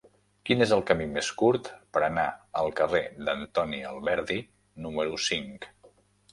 Quin és el camí més curt per anar al carrer d'Antoni Alberdi número cinc?